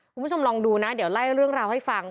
คุณผู้ชมลองดูนะเดี๋ยวไล่เรื่องราวให้ฟัง